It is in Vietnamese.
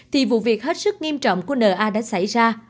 thì vụ việc hết sức nghiêm trọng của n a đã xảy ra